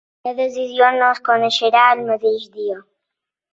La decisió no es coneixerà el mateix dia.